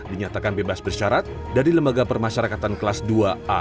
dinyatakan bebas bersyarat dari lembaga permasyarakatan kelas dua a